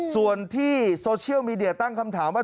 ส่วนที่โซเชียลมีเดียตั้งคำถามว่า